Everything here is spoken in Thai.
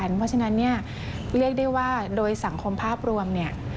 เพราะฉะนั้นเนี่ยเรียกได้ว่าโดยสังคมภาพรวมเนี่ย